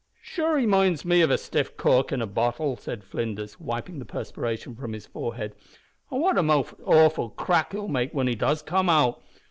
"Sure he minds me of a stiff cork in a bottle," said Flinders, wiping the perspiration from his forehead, "an' what a most awful crack he'll make whin he does come out!